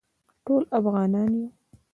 ټول افغانان یو